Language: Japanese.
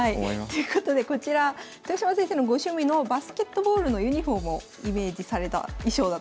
ということでこちら豊島先生のご趣味のバスケットボールのユニフォームをイメージされた衣装だということで。